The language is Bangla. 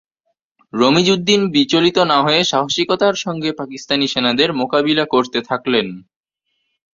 রমিজ উদ্দীন বিচলিত না হয়ে সাহসিকতার সঙ্গে পাকিস্তানি সেনাদের মোকাবিলা করতে থাকলেন।